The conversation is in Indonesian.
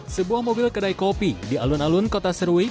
sebuah mobil kedai kopi di alun alun kota serui